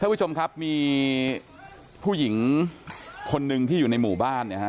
ผู้ชมครับมีผู้หญิงคนหนึ่งที่อยู่ในหมู่บ้านเนี่ยฮะ